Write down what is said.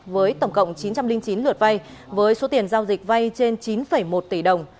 với tổng cộng chín trăm linh chín lượt vay với số tiền giao dịch vay trên chín một tỷ đồng